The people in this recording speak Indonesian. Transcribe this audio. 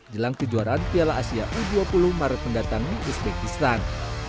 jelang kejuaraan piala asia u dua puluh maret mendatang di uzbekistan